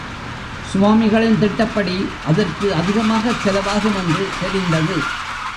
சுவாமிகளின் திட்டப்படி அதற்கு அதிகமாகச் செலவாகுமென்று தெரிந்தது.